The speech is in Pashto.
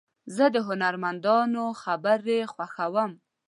زه د هنرمندانو خبرې خوښوم.